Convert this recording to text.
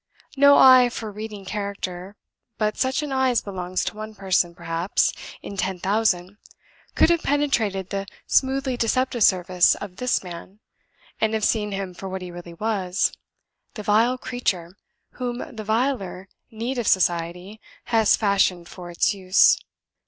No eye for reading character, but such an eye as belongs to one person, perhaps, in ten thousand, could have penetrated the smoothly deceptive surface of this man, and have seen him for what he really was the vile creature whom the viler need of Society has fashioned for its own use.